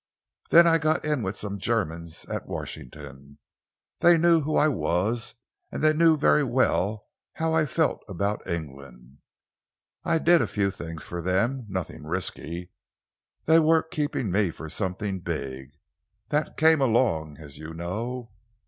Then I got in with some Germans at Washington. They knew who I was, and they knew very well how I felt about England. I did a few things for them nothing risky. They were keeping me for something big. That came along, as you know.